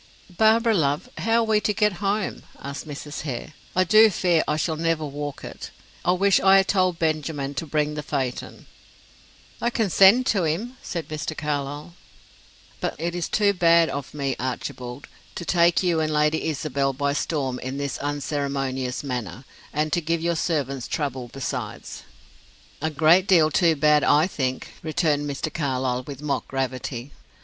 "Barbara, love, how are we to get home?" asked Mrs. Hare. "I do fear I shall never walk it. I wish I had told Benjamin to bring the phaeton." "I can send to him," said Mr. Carlyle. "But it is too bad of me, Archibald, to take you and Lady Isabel by storm in this unceremonious manner; and to give your servants trouble besides." "A great deal too bad, I think," returned Mr. Carlyle, with mock gravity.